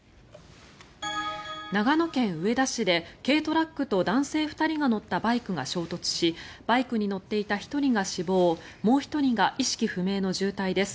長野県上田市で軽トラックと男性２人が乗ったバイクが衝突しバイクに乗っていた１人が死亡もう１人は意識不明の重体です。